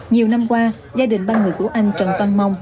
nhiều năm qua gia đình ba người của anh trần văn mong